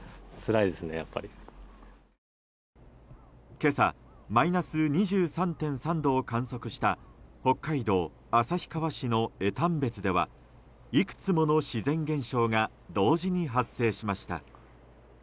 今朝マイナス２３．３度を観測した北海道旭川市の江丹別ではいくつもの自然現象が同時に発生しました。